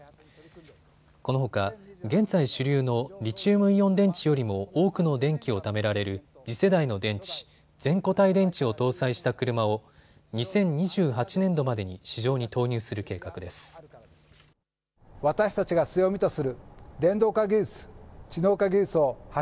このほか現在主流のリチウムイオン電池よりも多くの電気をためられる次世代の電池、全固体電池を搭載した車を２０２８年度までに市場に投入する計画です。